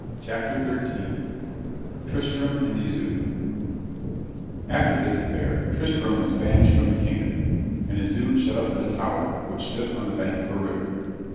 CHAPTER XIII TRISTRAM AND ISOUDE (Continued) After this affair Tristram was banished from the kingdom, and Isoude shut up in a tower, which stood on the bank of a river.